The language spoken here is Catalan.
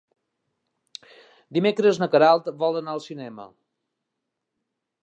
Dimecres na Queralt vol anar al cinema.